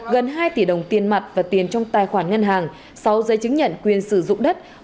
gần hai tỷ đồng tiền mặt và tiền trong tài khoản ngân hàng sáu giấy chứng nhận quyền sử dụng đất